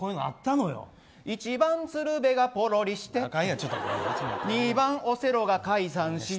一番鶴瓶がポロリして二番オセロが解散し。